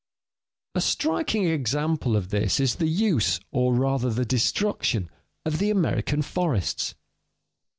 _ A striking example of this is the use, or rather the destruction, of the American forests.